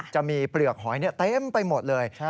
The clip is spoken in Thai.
เปลือกหอยเต็มไปหมดเลย